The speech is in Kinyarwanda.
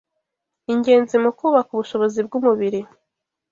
ingenzi mu kubaka ubushobozi bw’umubiri